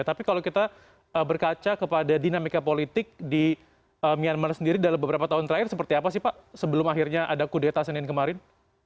tapi kalau kita berkaca kepada dinamika politik di myanmar sendiri dalam beberapa tahun terakhir seperti apa sih pak sebelum akhirnya ada kudeta senin kemarin